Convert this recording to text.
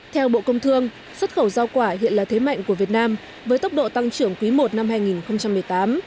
theo bộ công thương xuất khẩu giao quả hiện là thế mạnh của việt nam với tốc độ tăng trưởng quý i năm hai nghìn một mươi tám